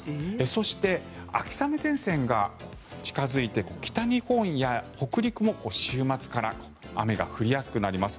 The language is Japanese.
そして、秋雨前線が近付いて北日本や北陸も週末から雨が降りやすくなります。